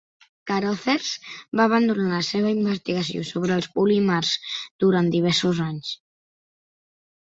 Carothers va abandonar la seva investigació sobre els polímers durant diversos anys.